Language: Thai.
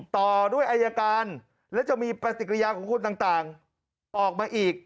ต่อด้วยอายการและจะมีปฏิกิริยาของคนต่างออกมาอีก